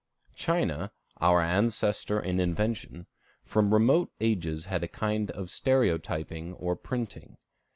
China, our ancestor in invention, from remote ages had a kind of stereotyping or printing.